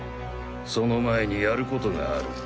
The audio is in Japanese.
その前にやることがある。